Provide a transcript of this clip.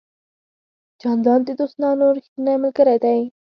جانداد د دوستانو ریښتینی ملګری دی.